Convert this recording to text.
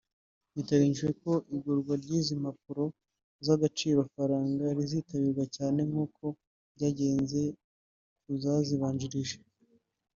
Bitegerejwe ko igurwa ry’izi mpapuro z’agaciro-faranga rizitabirwa cyane nk’uko byagenze ku zazibanjirije